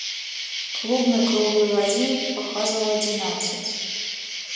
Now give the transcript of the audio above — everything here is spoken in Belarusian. Клубны круглы гадзіннік паказваў адзінаццаць.